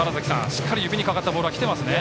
しっかり指にかかったボールはきていますね。